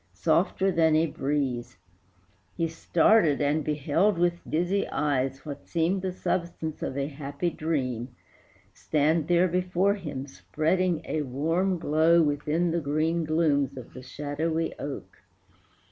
softer than a breeze. He started and beheld with dizzy eyes What seemed the substance of a happy dream Stand there before him, spreading a warm glow Within the green glooms of the shadowy oak.